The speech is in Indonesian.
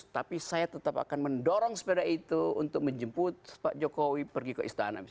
tapi saya tetap akan mendorong sepeda itu untuk menjemput pak jokowi pergi ke istana